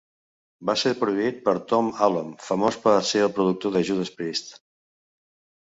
Va ser produït per Tom Allom, famós per ser el productor de Judas Priest.